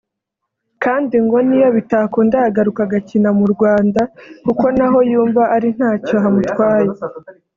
kandi ngo n’iyo bitakunda yagaruka agakina mu Rwanda kuko naho yumva ari ntacyo hamutwaye